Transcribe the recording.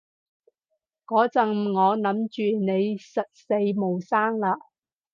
嗰陣我諗住你實死冇生喇